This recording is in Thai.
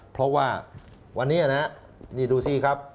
เพราะว่าวันนี้นะนี่ดูสิครับ